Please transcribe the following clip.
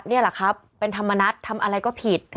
นี่แหละครับเป็นธรรมนัฏทำอะไรก็ผิด